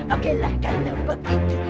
oke lah kalau begitu